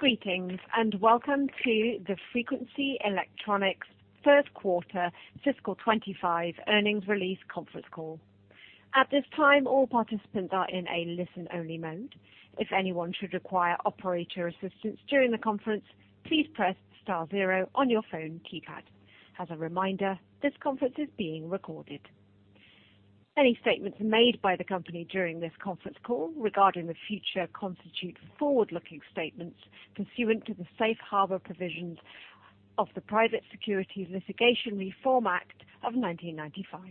Greetings, and welcome to the Frequency Electronics Q1 fiscal 2025 earnings release conference call. At this time, all participants are in a listen-only mode. If anyone should require operator assistance during the conference, please press star zero on your phone keypad. As a reminder, this conference is being recorded. Any statements made by the company during this conference call regarding the future constitute forward-looking statements pursuant to the Safe Harbor Provisions of the Private Securities Litigation Reform Act of 1995.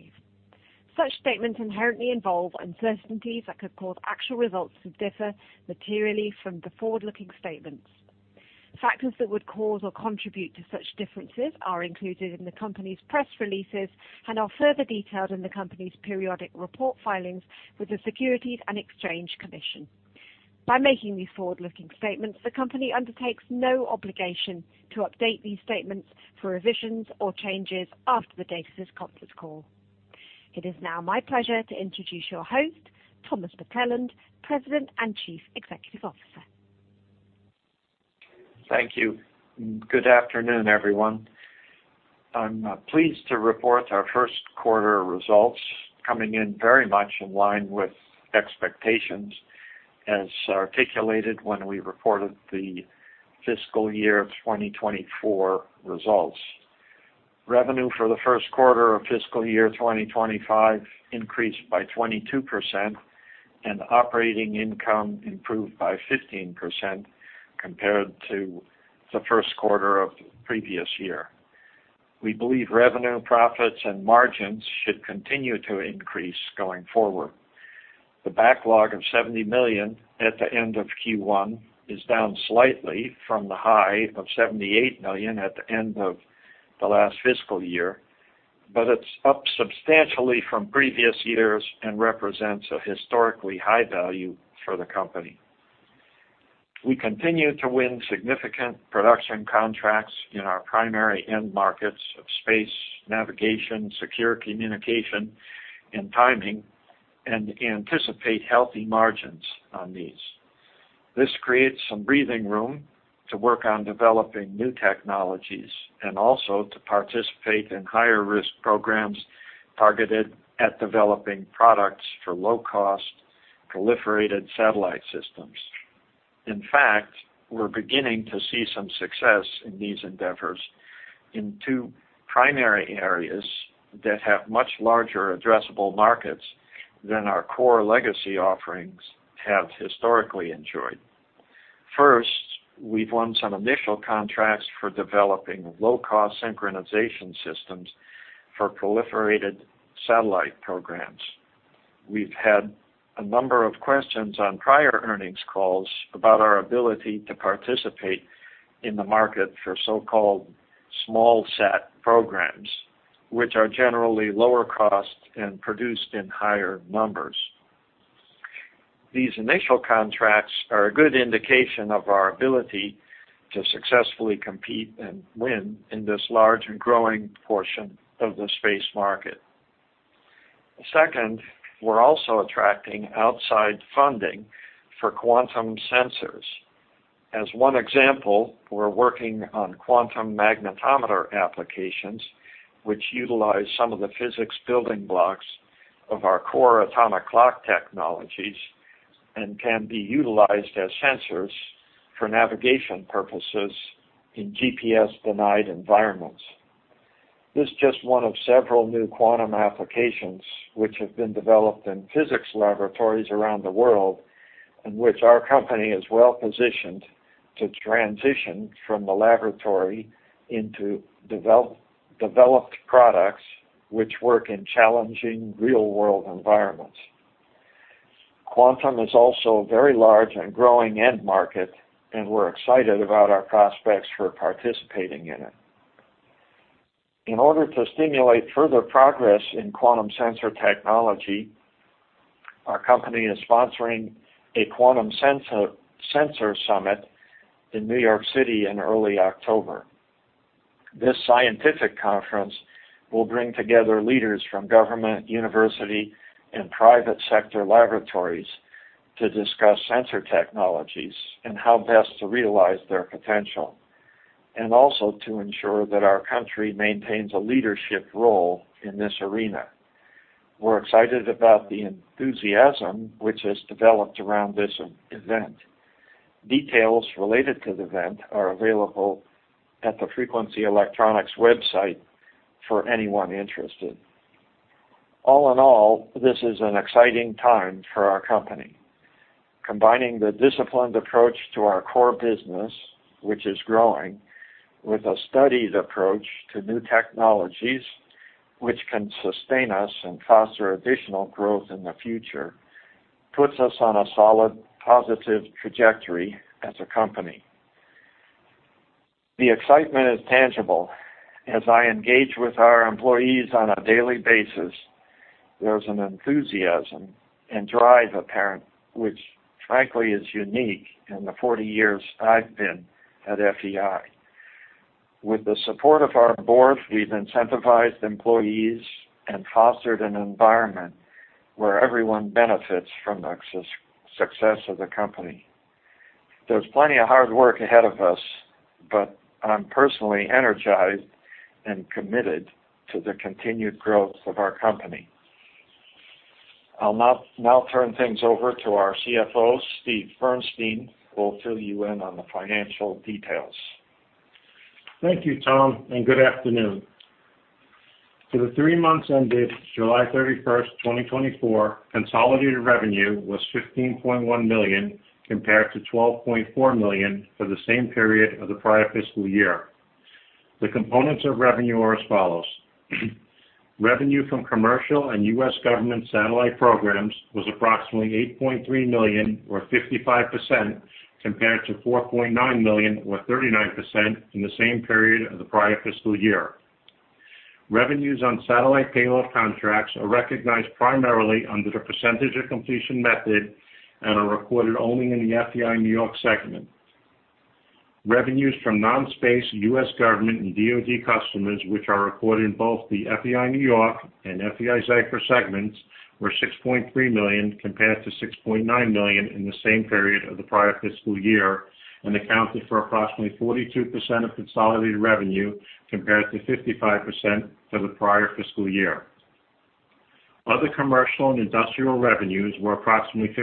Such statements inherently involve uncertainties that could cause actual results to differ materially from the forward-looking statements. Factors that would cause or contribute to such differences are included in the company's press releases and are further detailed in the company's periodic report filings with the Securities and Exchange Commission. By making these forward-looking statements, the company undertakes no obligation to update these statements for revisions or changes after the date of this conference call. It is now my pleasure to introduce your host, Thomas McClelland, President and Chief Executive Officer. Thank you. Good afternoon, everyone. I'm pleased to report our Q1 results coming in very much in line with expectations, as articulated when we reported the fiscal year of 2024 results. Revenue for the Q1 of fiscal year 2025 increased by 22%, and operating income improved by 15% compared to the Q1 of the previous year. We believe revenue, profits, and margins should continue to increase going forward. The backlog of $70 million at the end of Q1 is down slightly from the high of $78 million at the end of the last fiscal year, but it's up substantially from previous years and represents a historically high value for the company. We continue to win significant production contracts in our primary end markets of space, navigation, secure communication, and timing, and anticipate healthy margins on these. This creates some breathing room to work on developing new technologies and also to participate in higher risk programs targeted at developing products for low-cost, proliferated satellite systems. In fact, we're beginning to see some success in these endeavors in two primary areas that have much larger addressable markets than our core legacy offerings have historically enjoyed. First, we've won some initial contracts for developing low-cost synchronization systems for proliferated satellite programs. We've had a number of questions on prior earnings calls about our ability to participate in the market for so-called small sat programs, which are generally lower cost and produced in higher numbers. These initial contracts are a good indication of our ability to successfully compete and win in this large and growing portion of the space market. Second, we're also attracting outside funding for quantum sensors. As one example, we're working on quantum magnetometer applications, which utilize some of the physics building blocks of our core atomic clock technologies and can be utilized as sensors for navigation purposes in GPS-denied environments. This is just one of several new quantum applications which have been developed in physics laboratories around the world, and which our company is well-positioned to transition from the laboratory into developed products which work in challenging, real-world environments. Quantum is also a very large and growing end market, and we're excited about our prospects for participating in it. In order to stimulate further progress in quantum sensor technology, our company is sponsoring a Quantum Sensor Summit in New York City in early October. This scientific conference will bring together leaders from government, university, and private sector laboratories to discuss sensor technologies and how best to realize their potential, and also to ensure that our country maintains a leadership role in this arena. We're excited about the enthusiasm which has developed around this event. Details related to the event are available at the Frequency Electronics website for anyone interested. All in all, this is an exciting time for our company. Combining the disciplined approach to our core business, which is growing, with a studied approach to new technologies which can sustain us and foster additional growth in the future, puts us on a solid, positive trajectory as a company. The excitement is tangible. As I engage with our employees on a daily basis, there's an enthusiasm and drive apparent, which frankly, is unique in the forty years I've been at FEI. With the support of our board, we've incentivized employees and fostered an environment where everyone benefits from the success of the company. There's plenty of hard work ahead of us, but I'm personally energized and committed to the continued growth of our company. I'll now turn things over to our CFO, Steven Bernstein, who will fill you in on the financial details. Thank you, Tom, and good afternoon. For the three months ended 31 July 2024, consolidated revenue was $15.1 million, compared to $12.4 million for the same period of the prior fiscal year. The components of revenue are as follows: Revenue from commercial and U.S. government satellite programs was approximately $8.3 million, or 55%, compared to $4.9 million, or 39%, in the same period of the prior fiscal year. Revenues on satellite payload contracts are recognized primarily under the percentage of completion method and are recorded only in the FEI New York segment. Revenues from non-space, U.S. Government, and DoD customers, which are recorded in both the FEI New York and FEI-Zyfer segments, were $6.3 million compared to $6.9 million in the same period of the prior fiscal year and accounted for approximately 42% of consolidated revenue, compared to 55% for the prior fiscal year. Other commercial and industrial revenues were approximately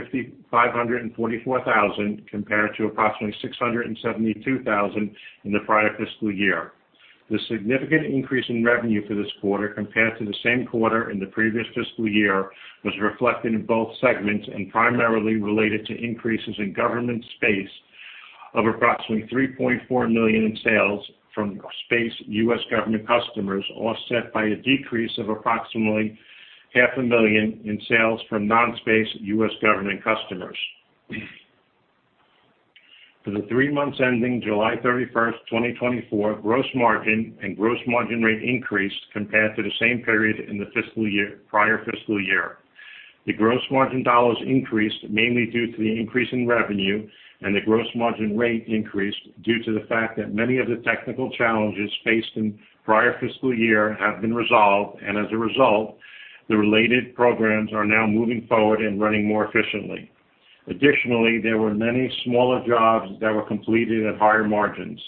$5,544,000, compared to approximately $672,000 in the prior fiscal year. The significant increase in revenue for this quarter, compared to the same quarter in the previous fiscal year, was reflected in both segments and primarily related to increases in government space of approximately $3.4 million in sales from space U.S. Government customers, offset by a decrease of approximately $500,000 in sales from non-space U.S. Government customers. For the three months ending 31 July 2024, gross margin and gross margin rate increased compared to the same period in the fiscal year, prior fiscal year. The gross margin dollars increased mainly due to the increase in revenue, and the gross margin rate increased due to the fact that many of the technical challenges faced in prior fiscal year have been resolved, and as a result, the related programs are now moving forward and running more efficiently. Additionally, there were many smaller jobs that were completed at higher margins.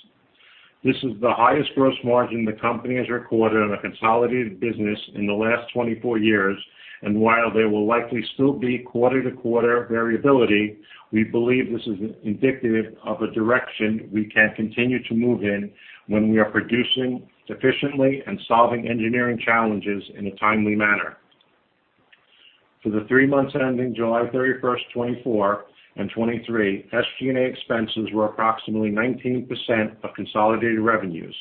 This is the highest gross margin the company has recorded on a consolidated business in the last twenty-four years, and while there will likely still be quarter-to-quarter variability, we believe this is indicative of a direction we can continue to move in when we are producing efficiently and solving engineering challenges in a timely manner. For the three months ending 31 July 2024 and 2023, SG&A expenses were approximately 19% of consolidated revenues.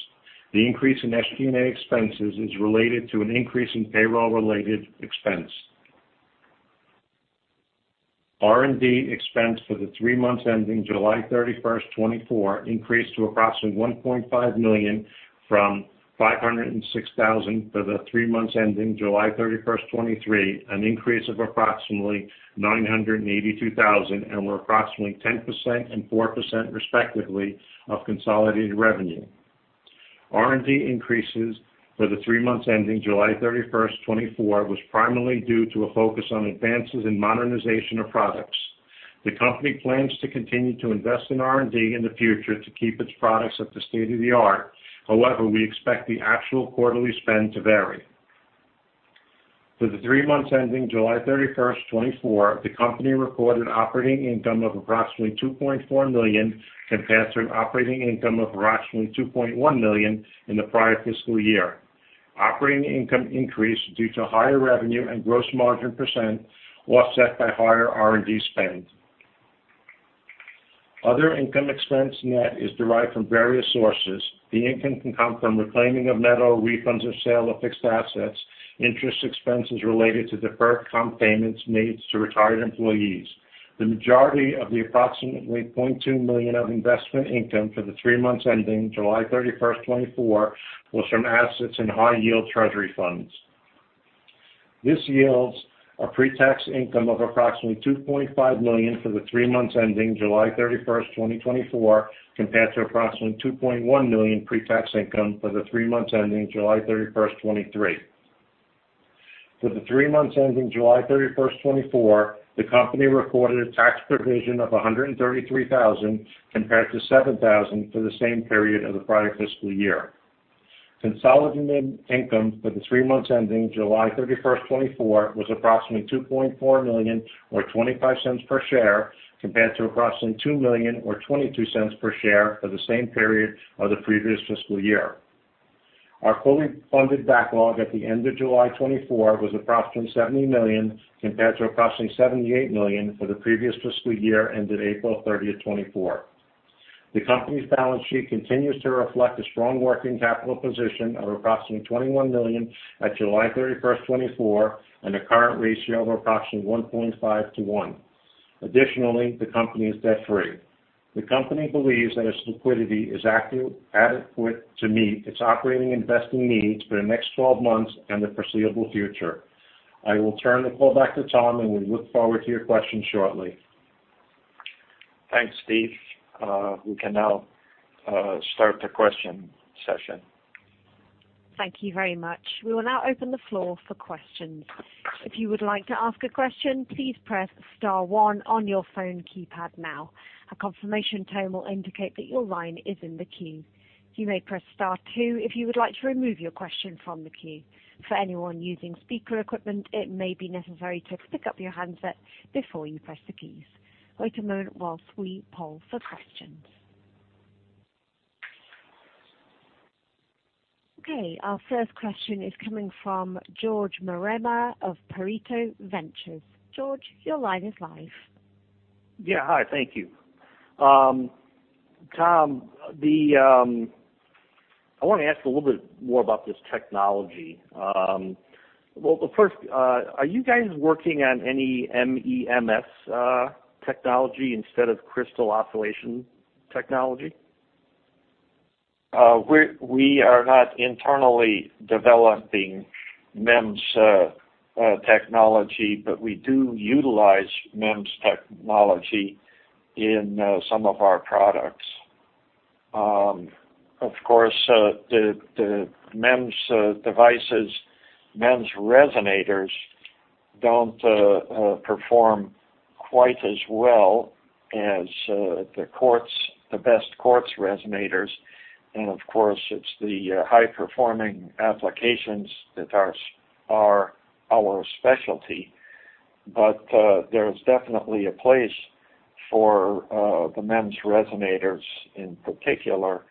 The increase in SG&A expenses is related to an increase in payroll-related expense. R&D expense for the three months ending 31 July 2024, increased to approximately $1.5 million from $506,000 for the three months ending 31 July 2023, an increase of approximately $982,000, and were approximately 10% and 4%, respectively, of consolidated revenue. R&D increases for the three months ending 31 July 2024, was primarily due to a focus on advances in modernization of products. The company plans to continue to invest in R&D in the future to keep its products at the state-of-the-art. However, we expect the actual quarterly spend to vary. For the three months ending 31 July 2024, the company recorded operating income of approximately $2.4 million, compared to an operating income of approximately $2.1 million in the prior fiscal year. Operating income increased due to higher revenue and gross margin %, offset by higher R&D spend. Other income expense net is derived from various sources. The income can come from reclaiming of metal, refunds of sale of fixed assets, interest expenses related to deferred comp payments made to retired employees. The majority of the approximately $0.2 million of investment income for the three months ending 31 July 2024, was from assets in high-yield treasury funds. This yields a pre-tax income of approximately $2.5 million for the three months ending 31 July 2024, compared to approximately $2.1 million pre-tax income for the three months ending July 31st, 2023. For the three months ending 31 July 2024, the company recorded a tax provision of $133,000, compared to $7,000 for the same period of the prior fiscal year. Consolidated income for the three months ending 31 July 2024, was approximately $2.4 million, or 25 cents per share, compared to approximately $2 million or 22 cents per share for the same period of the previous fiscal year. Our fully funded backlog at the end of July 2024 was approximately $70 million, compared to approximately $78 million for the previous fiscal year, ended 30 April 2024. The company's balance sheet continues to reflect a strong working capital position of approximately $21 million at 31 July 2024, and a current ratio of approximately 1.5 to 1. Additionally, the company is debt-free. The company believes that its liquidity is adequate to meet its operating and investing needs for the next twelve months and the foreseeable future. I will turn the call back to Tom, and we look forward to your questions shortly. Thanks, Steve. We can now start the question session. Thank you very much. We will now open the floor for questions. If you would like to ask a question, please press star one on your phone keypad now. A confirmation tone will indicate that your line is in the queue. You may press star two if you would like to remove your question from the queue. For anyone using speaker equipment, it may be necessary to pick up your handset before you press the keys. Wait a moment while we poll for questions. Okay, our first question is coming from George Marema of Pareto Ventures. George, your line is live. Yeah. Hi, thank you. Tom, I wanna ask a little bit more about this technology. Well, first, are you guys working on any MEMS technology instead of crystal oscillation technology? We are not internally developing MEMS technology, but we do utilize MEMS technology in some of our products. Of course, the MEMS devices, MEMS resonators don't perform quite as well as the best quartz resonators. And of course, it's the high-performing applications that are our specialty. But there's definitely a place for the MEMS resonators. In particular,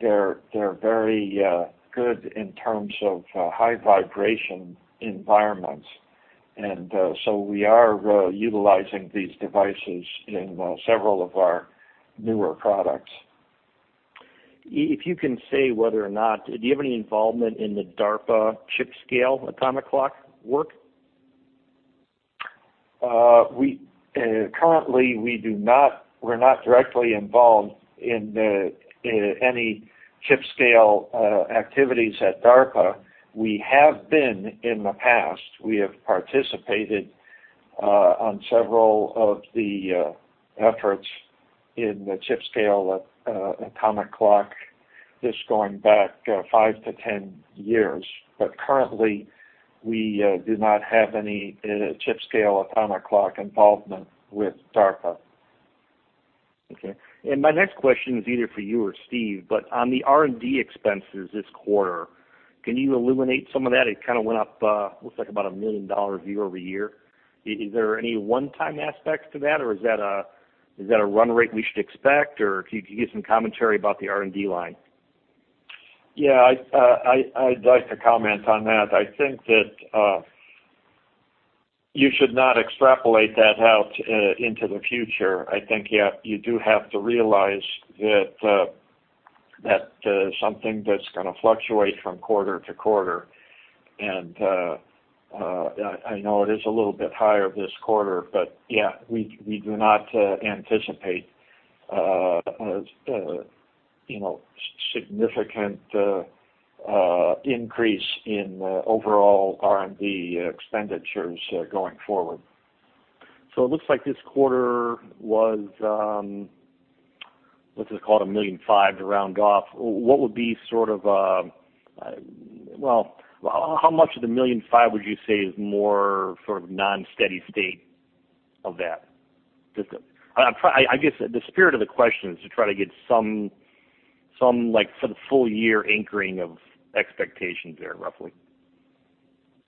they're very good in terms of high vibration environments. And so we are utilizing these devices in several of our newer products. If you can say whether or not, do you have any involvement in the DARPA chip-scale atomic clock work? We currently do not—we're not directly involved in any chip-scale activities at DARPA. We have been in the past. We have participated on several of the efforts in the chip-scale atomic clock, this going back five to 10 years. But currently, we do not have any chip-scale atomic clock involvement with DARPA. Okay. And my next question is either for you or Steve, but on the R&D expenses this quarter, can you illuminate some of that? It kind of went up, looks like about $1 million year-over-year. Is there any one-time aspect to that, or is that a run rate we should expect, or if you could give some commentary about the R&D line? Yeah, I'd like to comment on that. I think that you should not extrapolate that out into the future. I think you have to realize that something that's gonna fluctuate from quarter to quarter, and I know it is a little bit higher this quarter, but yeah, we do not anticipate, you know, significant increase in overall R&D expenditures going forward. So it looks like this quarter was, let's just call it $1.5 million to round off. What would be sort of, well, how much of the $1.5 million would you say is more sort of non-steady state of that? Just, I guess the spirit of the question is to try to get some like for the full year anchoring of expectations there, roughly.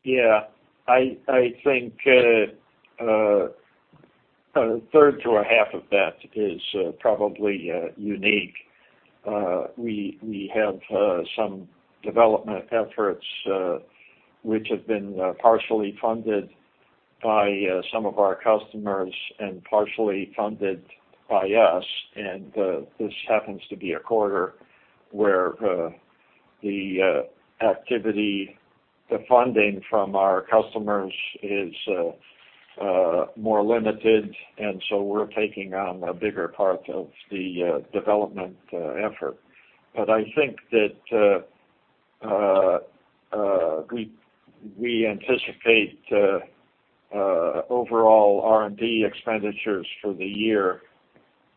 Yeah. I think a third to a half of that is probably unique. We have some development efforts which have been partially funded by some of our customers and partially funded by us, and this happens to be a quarter where the activity, the funding from our customers is more limited, and so we're taking on a bigger part of the development effort. But I think that we anticipate overall R&D expenditures for the year.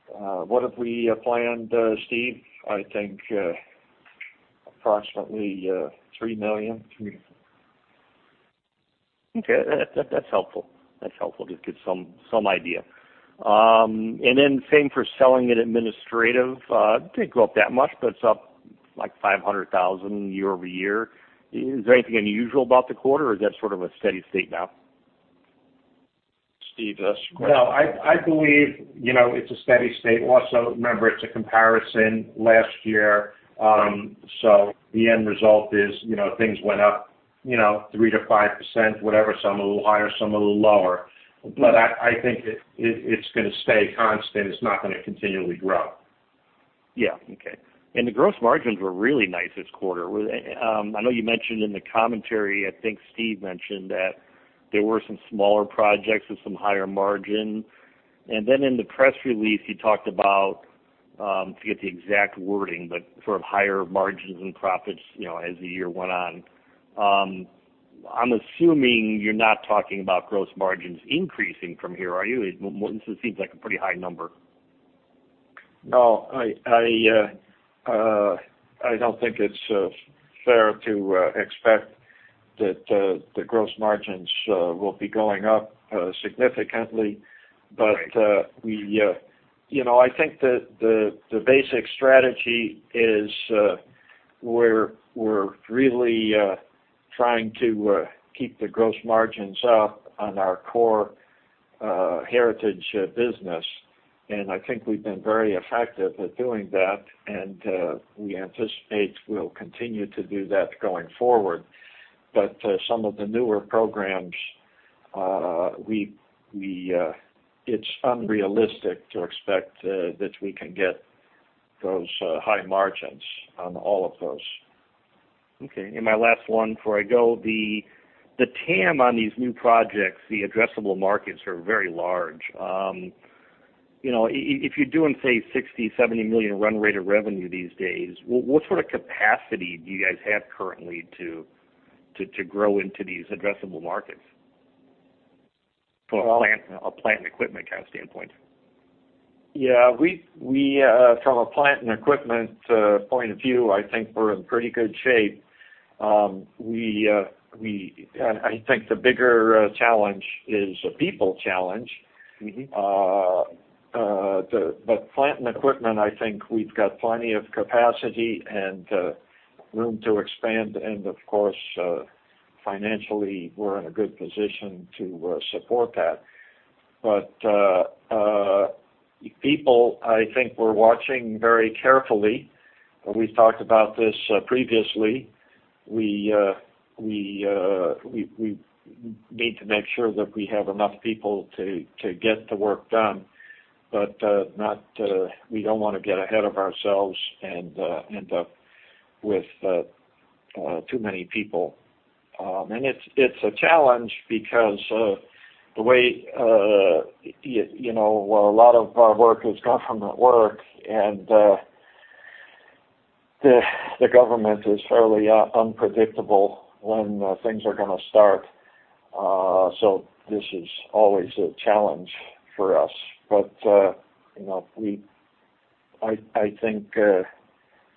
What have we planned, Steve? I think approximately $3 million. Okay, that's helpful. That's helpful. Just get some idea. And then same for selling and administrative. Didn't go up that much, but it's up like $500,000 year over year. Is there anything unusual about the quarter, or is that sort of a steady state now? Steve, that's for you. I believe, you know, it's a steady state. Also, remember, it's a comparison last year, so the end result is, you know, things went up, you know, 3% to 5%, whatever, some a little higher, some a little lower. But I think it, it's gonna stay constant. It's not gonna continually grow. Yeah. Okay. And the gross margins were really nice this quarter. I know you mentioned in the commentary, I think Steve mentioned that there were some smaller projects with some higher margin. And then in the press release, you talked about to get the exact wording, but sort of higher margins and profits, you know, as the year went on. I'm assuming you're not talking about gross margins increasing from here, are you? It, well, it seems like a pretty high number. No, I don't think it's fair to expect that the gross margins will be going up significantly. Right. But, you know, I think that the basic strategy is, we're really trying to keep the gross margins up on our core heritage business, and I think we've been very effective at doing that, and we anticipate we'll continue to do that going forward. But, some of the newer programs, it's unrealistic to expect that we can get those high margins on all of those. Okay, and my last one before I go, the TAM on these new projects, the addressable markets are very large. You know, if you're doing, say, $60-70 million run rate of revenue these days, what sort of capacity do you guys have currently to grow into these addressable markets from a plant- a plant and equipment kind of standpoint? Yeah, we from a plant and equipment point of view, I think we're in pretty good shape. I think the bigger challenge is a people challenge. But plant and equipment, I think we've got plenty of capacity and room to expand, and of course, financially, we're in a good position to support that. But people, I think we're watching very carefully, and we've talked about this previously. We need to make sure that we have enough people to get the work done, but not, we don't wanna get ahead of ourselves and end up with too many people. And it's a challenge because the way you know, a lot of our work is government work, and the government is fairly unpredictable when things are gonna start. So this is always a challenge for us, but you know, I think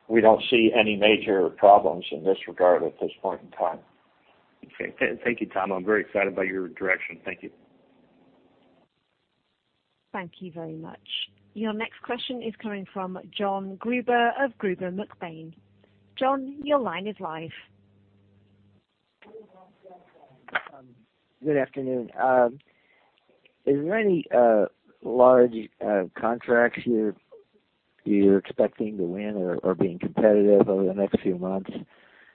we don't see any major problems in this regard at this point in time. Okay. Thank you, Tom. I'm very excited about your direction. Thank you. Thank you very much. Your next question is coming from Jon Gruber of Gruber & McBaine. Jon, your line is live. Good afternoon. Is there any large contracts you're expecting to win or being competitive over the next few months?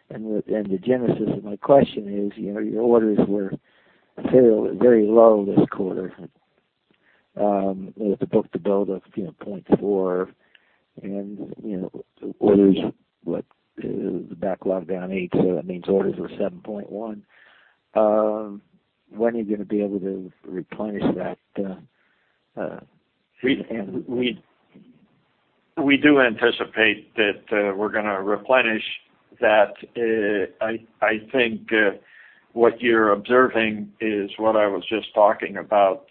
The genesis of my question is, you know, your orders were fairly very low this quarter, with the book-to-bill of 0.4, and, you know, orders the backlog down eight, so that means orders were 7.1. When are you gonna be able to replenish that? We do anticipate that we're gonna replenish that. I think what you're observing is what I was just talking about,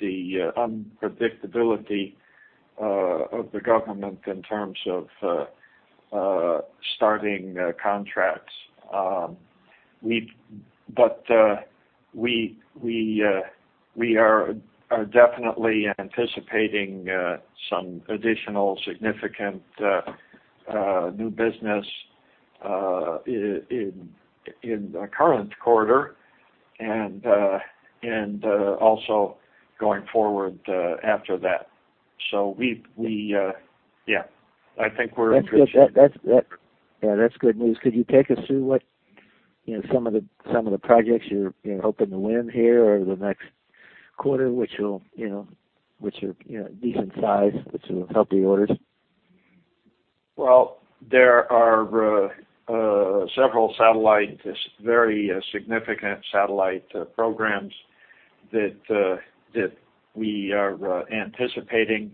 the unpredictability of the government in terms of starting contracts. But we are definitely anticipating some additional significant new business in the current quarter and also going forward after that. So we yeah, I think we're- That's good. That's yeah, that's good news. Could you take us through what, you know, some of the projects you're hoping to win here over the next quarter, which will, you know, which are, you know, decent size, which will help the orders? There are several very significant satellite programs that we are anticipating,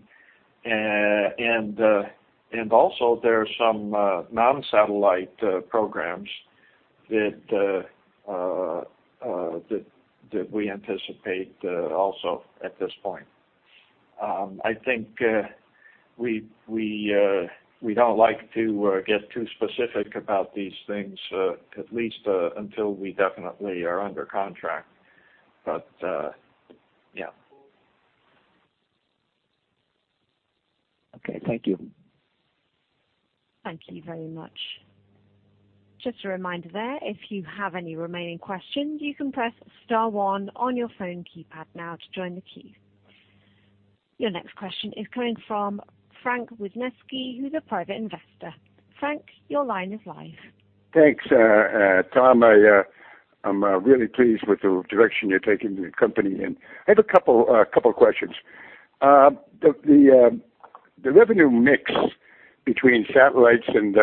and also there are some non-satellite programs that we anticipate also at this point. I think we don't like to get too specific about these things at least until we definitely are under contract, but yeah. Okay, thank you. Thank you very much. Just a reminder there, if you have any remaining questions, you can press star one on your phone keypad now to join the queue. Your next question is coming from Frank Wisniewski, who's a private investor. Frank, your line is live. Thanks, Tom. I'm really pleased with the direction you're taking the company in. I have a couple questions. The revenue mix between satellites and,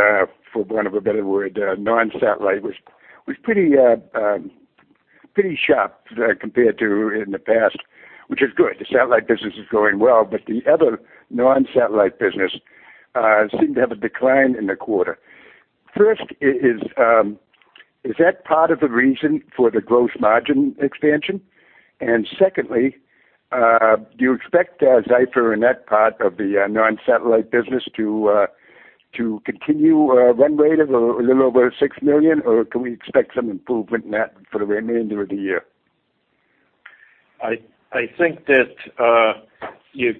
for want of a better word, non-satellite was pretty sharp compared to in the past, which is good. The satellite business is going well, but the other non-satellite business seem to have a decline in the quarter. First, is that part of the reason for the gross margin expansion? And secondly, do you expect Zyfer in that part of the non-satellite business to continue run rate of a little over $6 million? Or can we expect some improvement in that for the remainder of the year? I think that you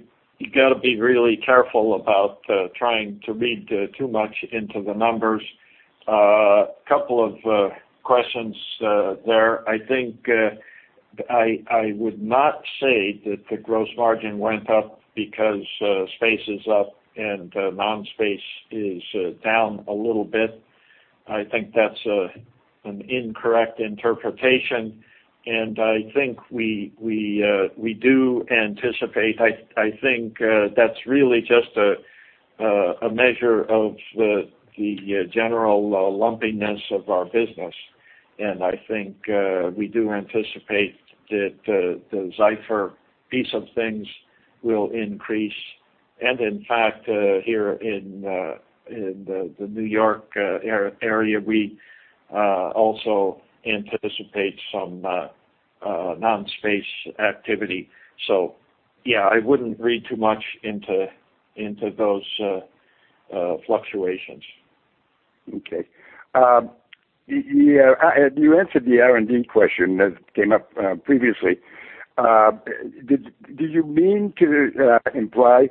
gotta be really careful about trying to read too much into the numbers. Couple of questions there. I think I would not say that the gross margin went up because space is up and non-space is down a little bit. I think that's an incorrect interpretation, and I think that's really just a measure of the general lumpiness of our business. I think we do anticipate that the Zyfer piece of things will increase, and in fact, here in the New York area, we also anticipate some non-space activity. So yeah, I wouldn't read too much into those fluctuations. Okay. You answered the R&D question that came up previously. Did you mean to imply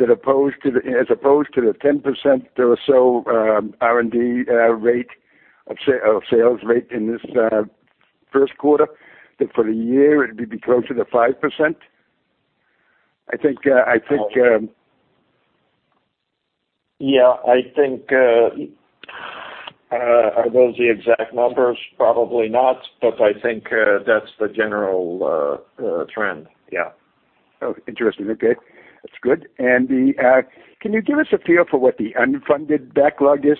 as opposed to the 10% or so R&D rate of sales rate in this Q1, that for the year it'd be closer to 5%? I think, I think. Yeah, I think, are those the exact numbers? Probably not, but I think that's the general trend. Yeah. Oh, interesting. Okay, that's good. And the, can you give us a feel for what the unfunded backlog is?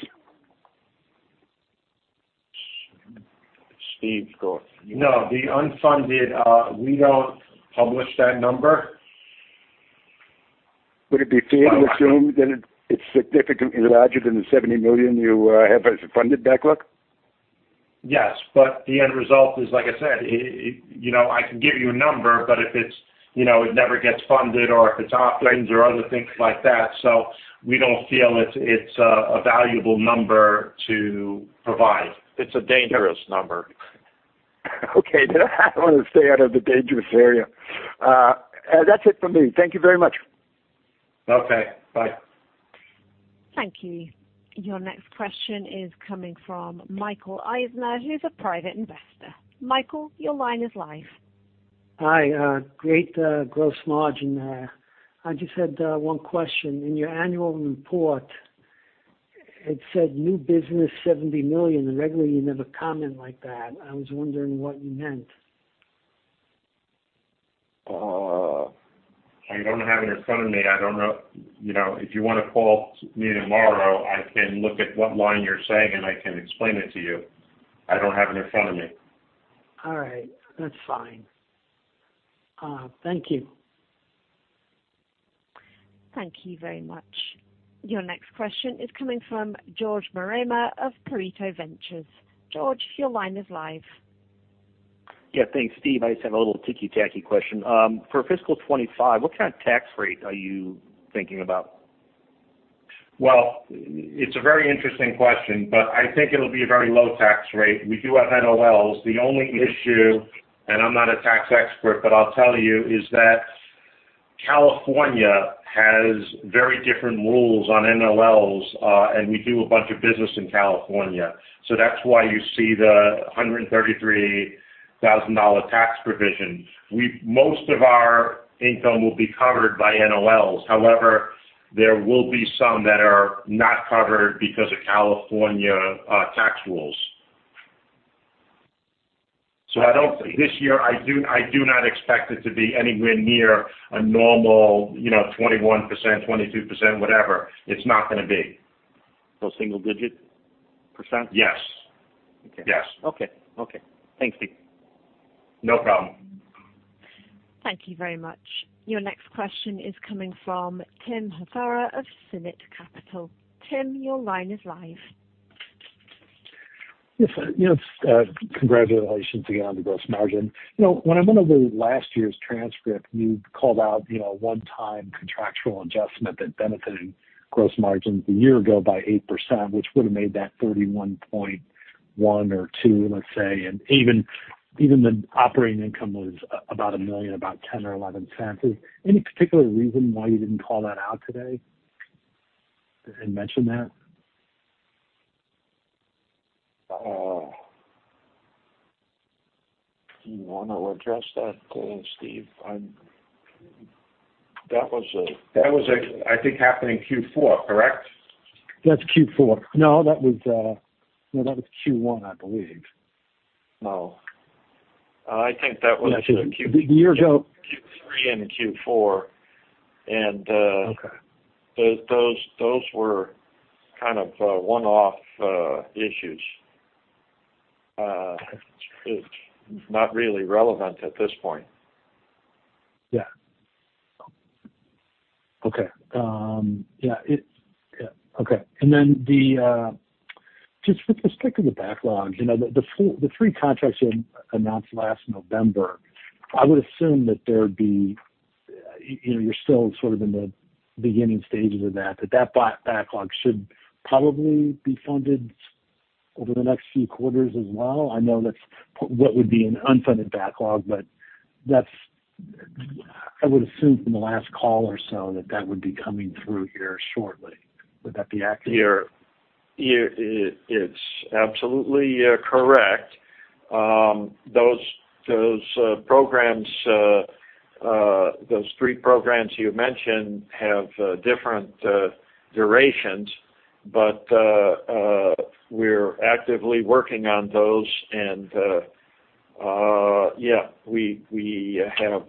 Steve, go. No, the unfunded, we don't publish that number. Would it be fair to assume that it, it's significantly larger than the $70 million you have as a funded backlog? Yes, but the end result is, like I said, you know, I can give you a number, but if it's, you know, it never gets funded or if it's operations or other things like that, so we don't feel it's a valuable number to provide. It's a dangerous number. Okay, I want to stay out of the dangerous area. That's it for me. Thank you very much. Okay, bye. Thank you. Your next question is coming from Michael Eisner, who's a private investor. Michael, your line is live. Hi, great, gross margin there. I just had one question. In your annual report, it said new business, $70 million, and regularly you never comment like that. I was wondering what you meant? I don't have it in front of me. I don't know... You know, if you want to call me tomorrow, I can look at what line you're saying, and I can explain it to you. I don't have it in front of me. All right, that's fine. Thank you. Thank you very much. Your next question is coming from George Marema of Pareto Ventures. George, your line is live. Yeah, thanks, Steve. I just have a little ticky-tacky question. For fiscal 2025, what kind of tax rate are you thinking about? It's a very interesting question, but I think it'll be a very low tax rate. We do have NOLs. The only issue, and I'm not a tax expert, but I'll tell you, is that California has very different rules on NOLs, and we do a bunch of business in California. So that's why you see the $133,000 tax provision. Most of our income will be covered by NOLs. However, there will be some that are not covered because of California tax rules. So this year, I do not expect it to be anywhere near a normal, you know, 21%, 22%, whatever. It's not gonna be. So single-digit percent? Yes. Okay. Yes. Okay. Okay, thanks, Steve. No problem. Thank you very much. Your next question is coming from Tim Hasara of Sinnet Capital. Tim, your line is live. Yes, you know, congratulations again on the gross margin. You know, when I went over last year's transcript, you called out, you know, a one-time contractual adjustment that benefited gross margins a year ago by 8%, which would have made that 31.1% or 31.2%, let's say, and even the operating income was about $1 million, about $0.10 or $0.11. Is any particular reason why you didn't call that out today, and mention that? Do you wanna address that, Steve? That was, I think, happened in Q4, correct? That's Q4. No, that was, no, that was Q1, I believe. Oh, I think that was in Q4. Years ago-... three in Q4, and, Okay. Those were kind of one-off issues. It's not really relevant at this point. Yeah. Okay. Yeah, okay. And then, just with respect to the backlog, you know, the three contracts you announced last November, I would assume that there'd be, you know, you're still sort of in the beginning stages of that, but that backlog should probably be funded over the next few quarters as well. I know that's what would be an unfunded backlog, but that's, I would assume from the last call or so, that that would be coming through here shortly. Would that be accurate? You're, it's absolutely correct. Those programs, those three programs you mentioned have different durations, but we're actively working on those, and yeah, we have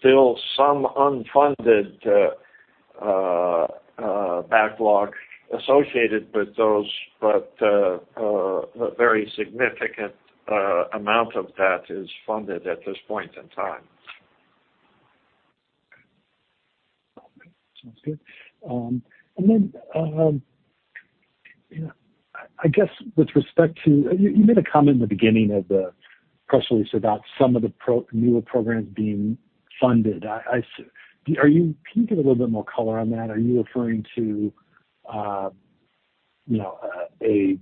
still some unfunded backlog associated with those, but a very significant amount of that is funded at this point in time. Sounds good. And then, you know, I guess with respect to... You made a comment in the beginning of the press release about some of the newer programs being funded. Can you give a little bit more color on that? Are you referring to, you know, the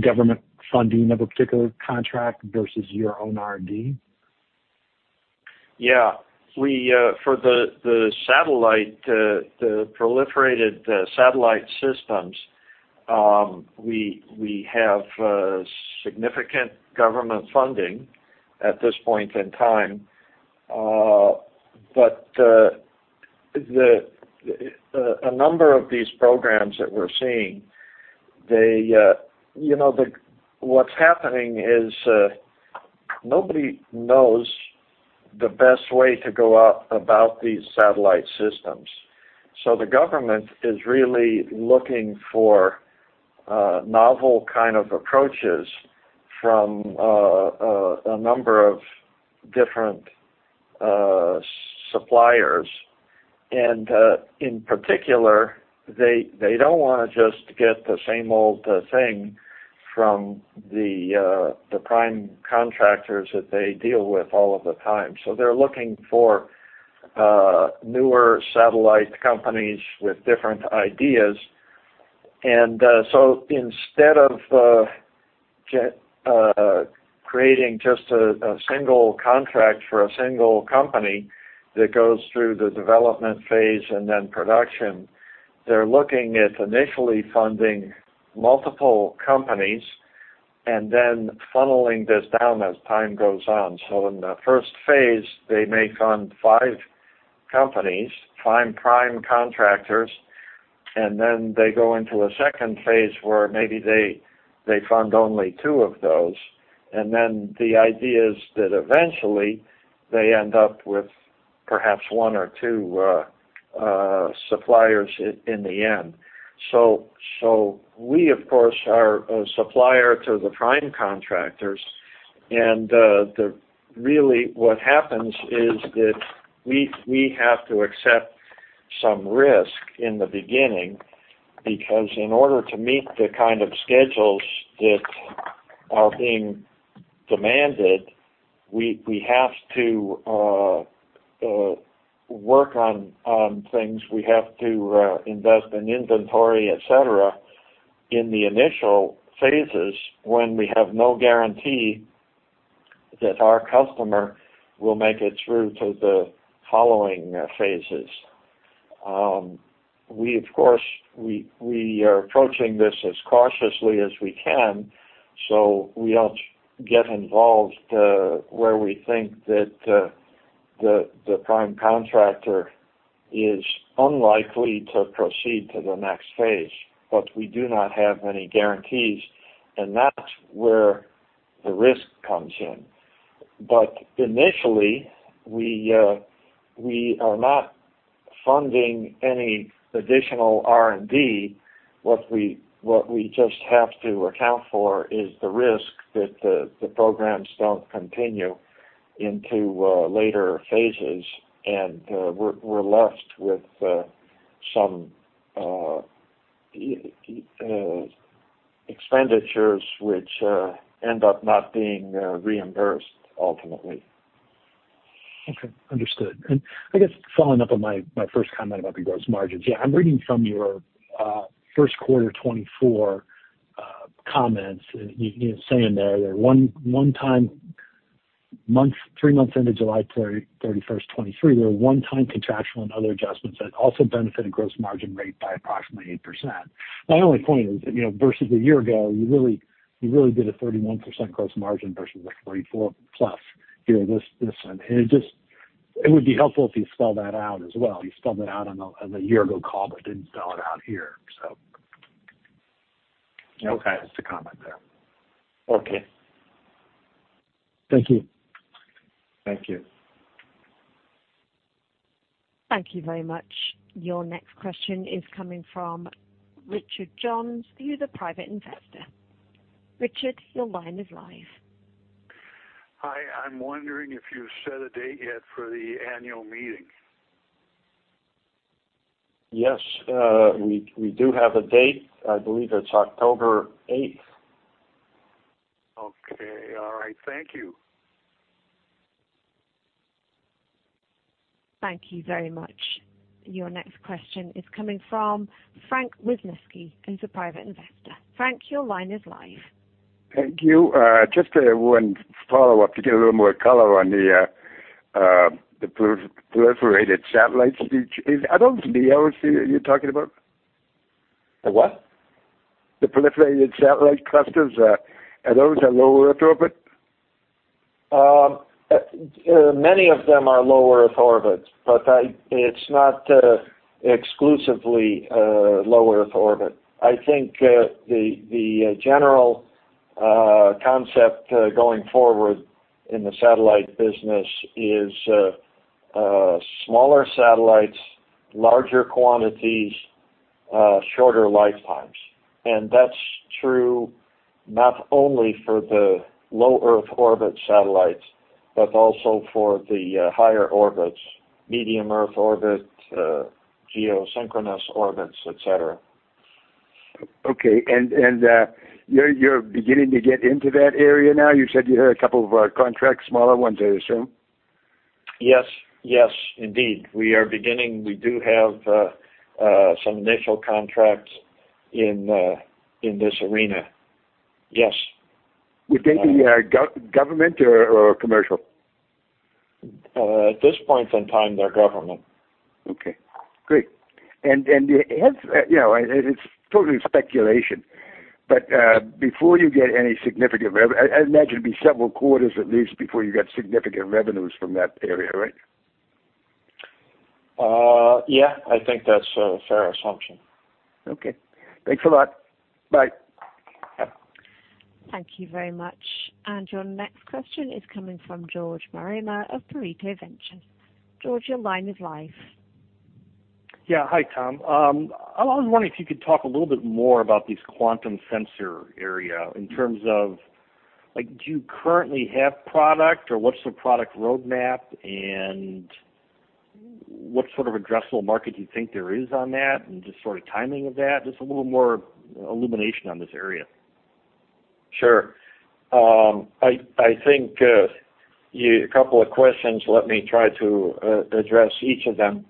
government funding of a particular contract versus your own R&D? Yeah. We for the satellite, the proliferated satellite systems, we have significant government funding at this point in time. But a number of these programs that we're seeing, they, you know, what's happening is, nobody knows the best way to go about these satellite systems. So the government is really looking for novel kind of approaches from a number of different suppliers. And in particular, they don't wanna just get the same old thing from the prime contractors that they deal with all of the time. So they're looking for newer satellite companies with different ideas. Instead of creating just a single contract for a single company that goes through the development phase and then production, they're looking at initially funding multiple companies and then funneling this down as time goes on. In the first phase, they may fund five companies, five prime contractors, and then they go into a second phase where maybe they fund only two of those. The idea is that eventually they end up with perhaps one or two suppliers in the end. We, of course, are a supplier to the prime contractors. Really, what happens is that we have to accept some risk in the beginning, because in order to meet the kind of schedules that are being demanded, we have to work on things. We have to invest in inventory, et cetera, in the initial phases, when we have no guarantee that our customer will make it through to the following phases. We, of course, are approaching this as cautiously as we can, so we don't get involved where we think that the prime contractor is unlikely to proceed to the next phase, but we do not have any guarantees, and that's where the risk comes in. But initially, we are not funding any additional R&D. What we just have to account for is the risk that the programs don't continue into later phases, and we're left with some expenditures which end up not being reimbursed ultimately. Okay, understood. And I guess following up on my first comment about the gross margins. Yeah, I'm reading from your Q1 2024 comments, and you're saying there that one time three months into 31 July 2023, there were one-time contractual and other adjustments that also benefited gross margin rate by approximately 8%. My only point is, you know, versus a year ago, you really did a 31% gross margin versus a 34% plus here, this one. And it just. It would be helpful if you spell that out as well. You spelled it out on a year ago call, but didn't spell it out here, so.... Okay, just a comment there. Okay. Thank you. Thank you. Thank you very much. Your next question is coming from Richard Johns. He is a private investor. Richard, your line is live. Hi, I'm wondering if you've set a date yet for the annual meeting? Yes, we do have a date. I believe it's 8 October 2025. Okay. All right. Thank you. Thank you very much. Your next question is coming from Frank Wisniewski, who's a private investor. Frank, your line is live. Thank you. Just one follow-up to get a little more color on the proliferated satellite space. Are those LEOs you're talking about? The what? The proliferated satellite clusters, are those low Earth orbit? Many of them are low Earth orbits, but it's not exclusively low Earth orbit. I think the general concept going forward in the satellite business is smaller satellites, larger quantities, shorter lifetimes. And that's true not only for the low Earth orbit satellites, but also for the higher orbits, medium Earth orbit, geosynchronous orbits, et cetera. Okay. You're beginning to get into that area now? You said you had a couple of contracts, smaller ones, I assume. Yes, yes, indeed. We are beginning. We do have some initial contracts in this arena. Yes. Would they be government or commercial? At this point in time, they're government. Okay, great. And you know, it's totally speculation, but before you get any significant revenues, I imagine it'd be several quarters, at least, before you get significant revenues from that area, right? Yeah, I think that's a fair assumption. Okay, thanks a lot. Bye. Thank you very much. And your next question is coming from George Marema of Pareto Ventures. George, your line is live. Yeah. Hi, Tom. I was wondering if you could talk a little bit more about these quantum sensor area in terms of, like, do you currently have product, or what's the product roadmap? And what sort of addressable market do you think there is on that, and just sort of timing of that? Just a little more illumination on this area. Sure. I think a couple of questions, let me try to address each of them.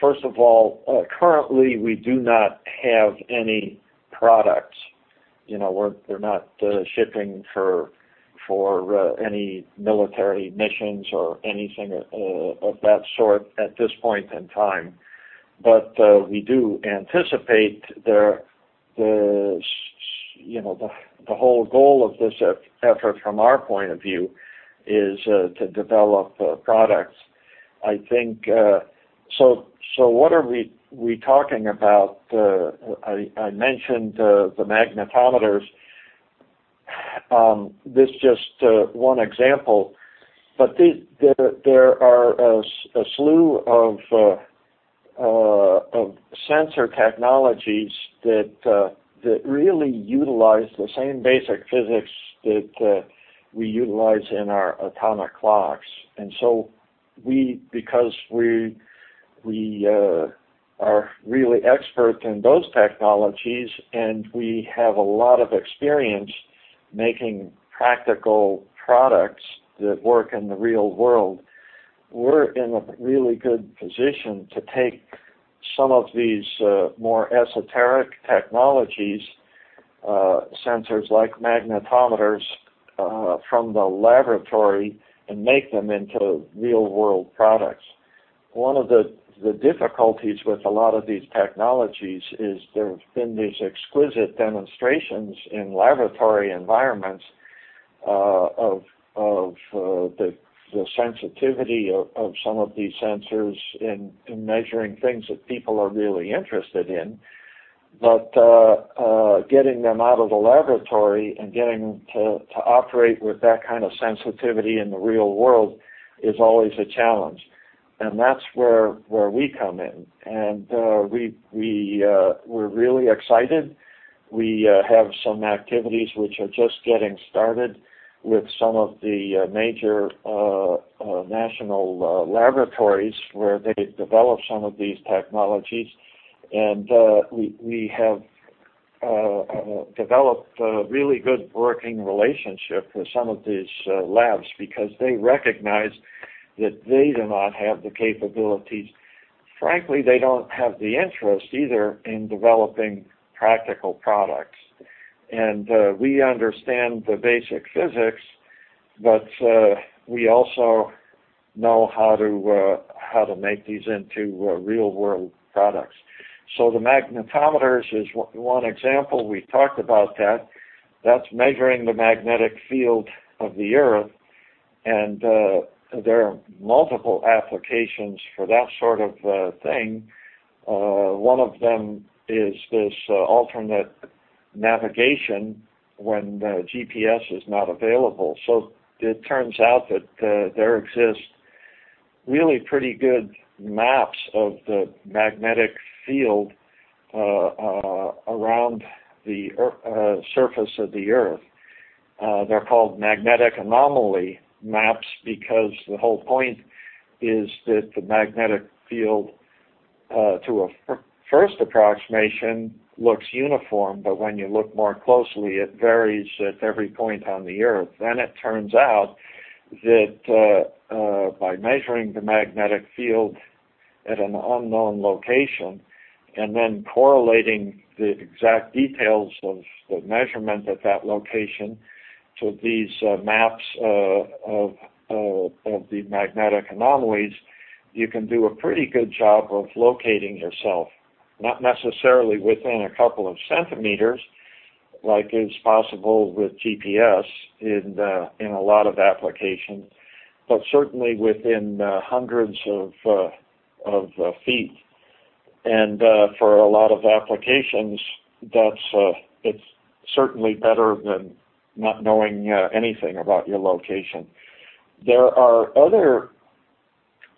First of all, currently, we do not have any products. You know, they're not shipping for any military missions or anything of that sort at this point in time. But we do anticipate, you know, the whole goal of this effort from our point of view is to develop products. I think so what are we talking about? I mentioned the magnetometers. This just one example, but there are a slew of sensor technologies that really utilize the same basic physics that we utilize in our atomic clocks. And so we, because we are really experts in those technologies, and we have a lot of experience making practical products that work in the real world, we're in a really good position to take some of these more esoteric technologies, sensors like magnetometers, from the laboratory and make them into real-world products. One of the difficulties with a lot of these technologies is there have been these exquisite demonstrations in laboratory environments of the sensitivity of some of these sensors in measuring things that people are really interested in. But getting them out of the laboratory and getting them to operate with that kind of sensitivity in the real world is always a challenge, and that's where we come in. And we're really excited. We have some activities which are just getting started with some of the major national laboratories, where they develop some of these technologies. And we have developed a really good working relationship with some of these labs because they recognize that they do not have the capabilities. Frankly, they don't have the interest either in developing practical products. And we understand the basic physics, but we also know how to make these into real-world products. So the magnetometers is one example. We talked about that. That's measuring the magnetic field of the Earth. And there are multiple applications for that sort of thing. One of them is this alternate navigation when the GPS is not available. So it turns out that there exists really pretty good maps of the magnetic field around the surface of the Earth. They're called magnetic anomaly maps, because the whole point is that the magnetic field, to a first approximation, looks uniform, but when you look more closely, it varies at every point on the Earth. Then it turns out that by measuring the magnetic field at an unknown location and then correlating the exact details of the measurement at that location to these maps of the magnetic anomalies, you can do a pretty good job of locating yourself. Not necessarily within a couple of centimeters, like is possible with GPS in a lot of applications, but certainly within hundreds of feet. And, for a lot of applications, that's, it's certainly better than not knowing, anything about your location. There are other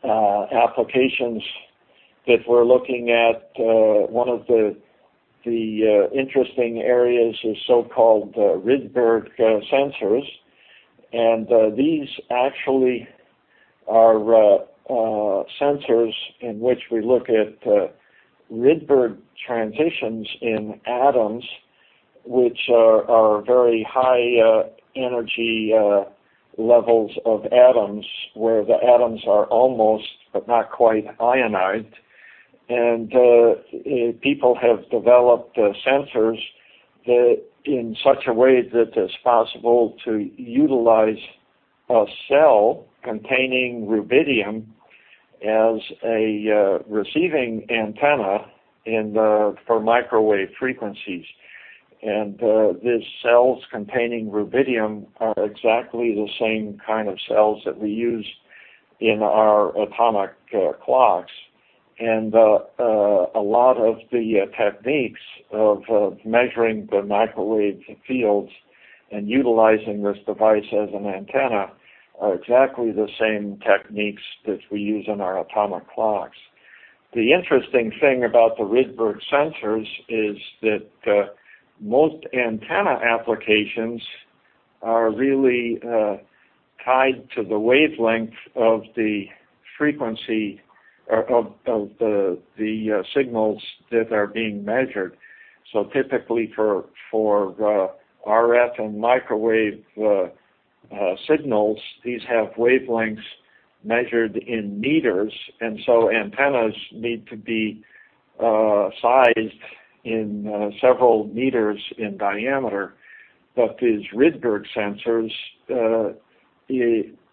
applications that we're looking at. One of the interesting areas is so-called Rydberg sensors. And, these actually are sensors in which we look at Rydberg transitions in atoms, which are very high energy levels of atoms, where the atoms are almost, but not quite, ionized. And, people have developed sensors that in such a way that it's possible to utilize a cell containing rubidium as a receiving antenna in the, for microwave frequencies. And, these cells containing rubidium are exactly the same kind of cells that we use in our atomic clocks. And a lot of the techniques of measuring the microwave fields and utilizing this device as an antenna are exactly the same techniques that we use in our atomic clocks. The interesting thing about the Rydberg sensors is that most antenna applications are really tied to the wavelength of the frequency or of the signals that are being measured. So typically for RF and microwave signals, these have wavelengths measured in meters, and so antennas need to be sized in several meters in diameter. But these Rydberg sensors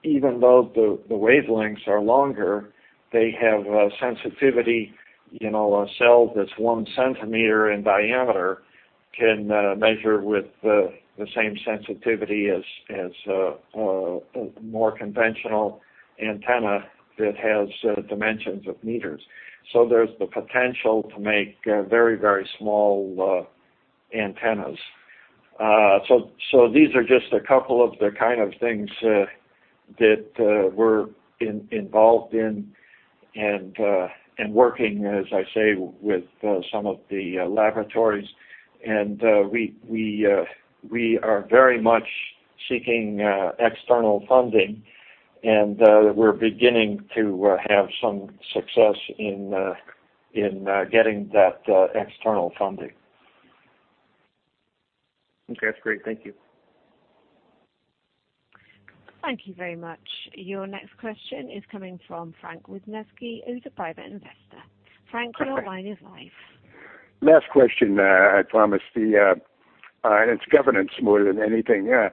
even though the wavelengths are longer, they have sensitivity in all cells that's 1cm in diameter, can measure with the same sensitivity as more conventional antenna that has dimensions of meters. So there's the potential to make very, very small antennas. So these are just a couple of the kind of things that we're involved in and working, as I say, with some of the laboratories. And we are very much seeking external funding, and we're beginning to have some success in getting that external funding. Okay, that's great. Thank you. Thank you very much. Your next question is coming from Frank Wisniewski, who's a private investor. Frank, your line is live. Last question, I promise. And it's governance more than anything. Yeah.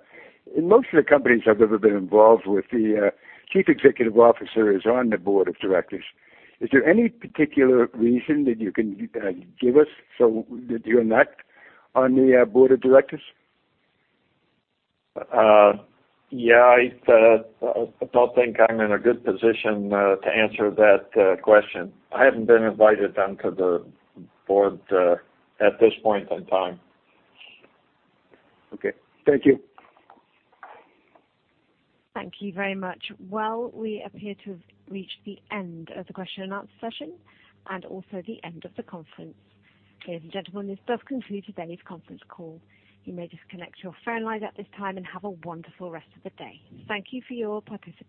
In most of the companies I've ever been involved with, the Chief Executive Officer is on the board of directors. Is there any particular reason that you can give us, so that you're not on the board of directors? Yeah, I don't think I'm in a good position to answer that question. I haven't been invited onto the board at this point in time. Okay. Thank you. Thank you very much. Well, we appear to have reached the end of the question and answer session and also the end of the conference. Ladies and gentlemen, this does conclude today's conference call. You may disconnect your phone lines at this time and have a wonderful rest of the day. Thank you for your participation.